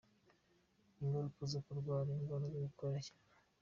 Ingaruka zo kurwara indwara yo gukora cyane.